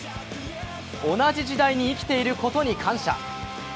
同じ時代に生きていることに感謝。